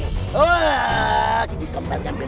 wah dikombalkan beliau